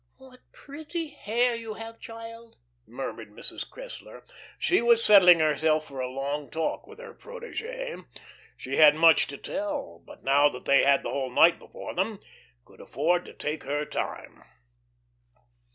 "What pretty hair you have, child," murmured Mrs. Cressler. She was settling herself for a long talk with her protege. She had much to tell, but now that they had the whole night before them, could afford to take her time.